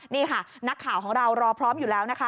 นี่ค่ะนักข่าวของเรารอพร้อมอยู่แล้วนะคะ